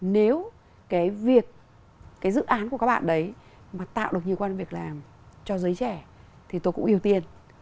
nếu cái việc cái dự án của các bạn đấy mà tạo được nhiều công an việc làm cho giới trẻ thì tôi cũng ưu tiên